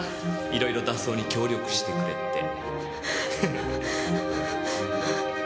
いろいろ脱走に協力してくれて。